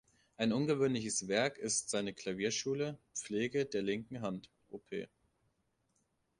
Ein ungewöhnliches Werk ist seine Klavierschule "Pflege der linken Hand" op.